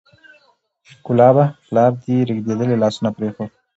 کلابه! پلار دې رېږدېدلي لاسونه پرېښود